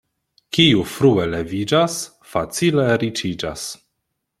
Kiu frue leviĝas, facile riĉiĝas.